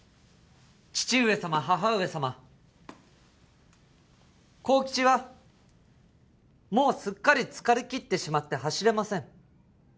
父上様母上様幸吉はもうすっかり疲れ切ってしまって走れません